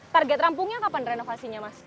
target rampungnya kapan renovasinya mas